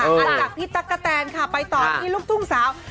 อันดับที่ตั๊กกะแตนค่ะไปตอนที่ลูกตุ้งสาว